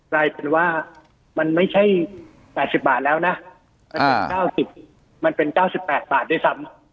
รายเป็นว่ามันไม่ใช่แปดสิบบาทแล้วนะอ่ามันเป็นเก้าสิบแปดบาทด้วยซ้ำ